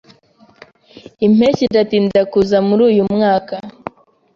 Impeshyi iratinda kuza muri uyu mwaka.